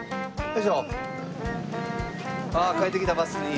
ああ帰ってきたバスに。